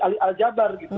ahli aljabar gitu